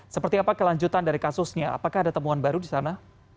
seperti apa kelanjutan dari kasusnya apakah ada temuan baru di sana